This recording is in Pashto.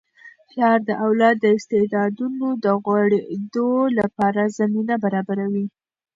پلار د اولاد د استعدادونو د غوړیدو لپاره زمینه برابروي.